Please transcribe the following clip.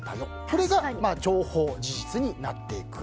これが情報、事実になっていく。